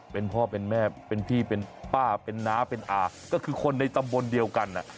เป็นพ่อเป็นแม่เป็นพี่เป็นป้าเป็นน้าเป็นอาก็คือคนในตำบลเดียวกัน